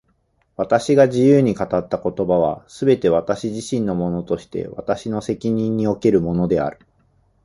私が自由に語った言葉は、すべて私自身のものとして私の責任におけるものである。